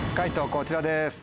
こちらです。